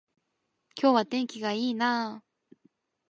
今日は天気が良いなあ